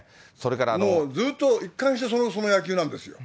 もうずっと一貫してその野球なんですよ。